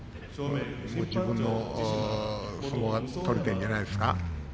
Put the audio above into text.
自分の相撲が取れているんじゃないですか。